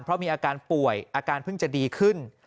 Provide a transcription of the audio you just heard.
เพราะมีอาการป่วยอาการเพิ่งจะดีขึ้น